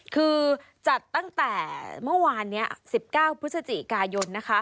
คือจัดตั้งแต่เมื่อวานนี้๑๙พฤศจิกายน